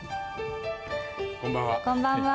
こんばんは。